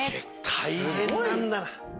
大変なんだ。